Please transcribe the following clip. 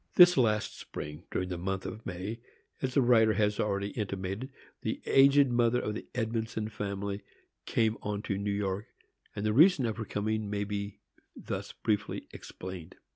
This last spring, during the month of May, as the writer has already intimated, the aged mother of the Edmondson family came on to New York, and the reason of her coming may be thus briefly explained.